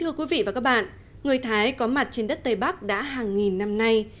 thưa quý vị và các bạn người thái có mặt trên đất tây bắc đã hàng nghìn năm nay